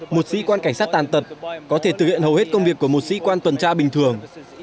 một sĩ quan cảnh sát tàn tật có thể thực hiện hầu hết công việc của một sĩ quan tuần tra bình thường